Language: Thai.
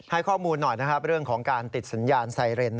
ข้อมูลหน่อยนะครับเรื่องของการติดสัญญาณไซเรน